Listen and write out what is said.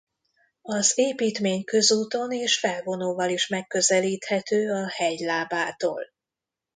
Az építmény közúton és felvonóval is megközelíthető a hegy lábától.